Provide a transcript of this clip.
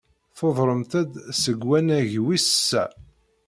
Tudremt-d seg wannag wis sa.